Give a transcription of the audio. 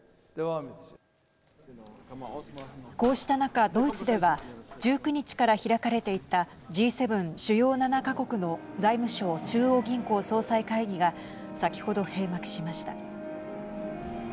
こうした中、ドイツでは１９日から開かれていたＧ７＝主要７か国の財務相・中央銀行総裁会議が先ほど閉幕しました。